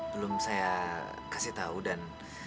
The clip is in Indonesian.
belum saya kasih tahu dan